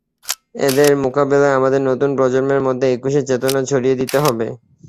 এদের মোকাবিলায় আমাদের নতুন প্রজন্মের মধ্যে একুশের চেতনা ছড়িয়ে দিতে হবে।